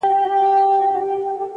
هره هڅه د شخصیت جوړولو برخه ده!